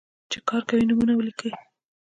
چې کار کوي، نومونه ولیکئ.